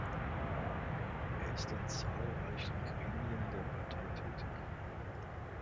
Er ist in zahlreichen Gremien der Partei tätig.